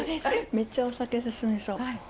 めっちゃお酒進みそう。